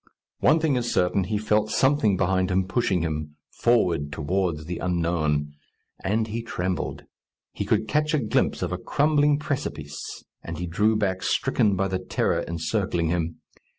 One thing is certain: he felt something behind him pushing him, forward towards the unknown. And he trembled. He could catch a glimpse of a crumbling precipice, and he drew back, stricken by the terror encircling him.